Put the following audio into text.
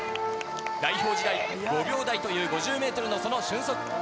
代表時代、５秒台という５０メートルのその俊足。